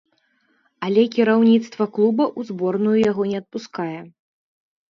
Але кіраўніцтва клуба ў зборную яго не адпускае.